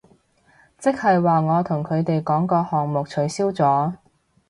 即係話我同佢哋講個項目取消咗